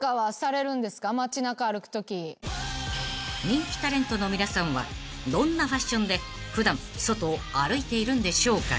［人気タレントの皆さんはどんなファッションで普段外を歩いているんでしょうか］